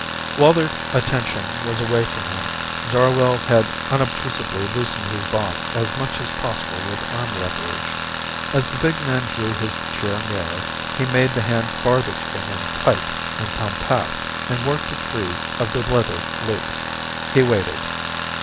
While their attention was away from him Zarwell had unobtrusively loosened his bonds as much as possible with arm leverage. As the big man drew his chair nearer, he made the hand farthest from him tight and compact and worked it free of the leather loop. He waited.